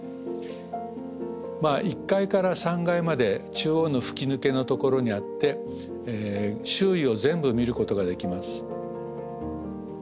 １階から３階まで中央の吹き抜けのところにあって周囲を全部見ることができます。